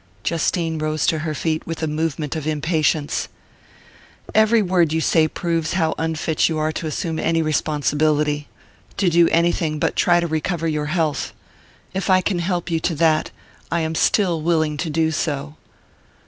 Justine rose to her feet with a movement of impatience. "Every word you say proves how unfit you are to assume any responsibility to do anything but try to recover your health. If I can help you to that, I am still willing to do so."